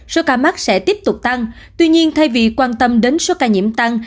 số ca mắc sẽ tiếp tục tăng tuy nhiên thay vì quan tâm đến số ca nhiễm tăng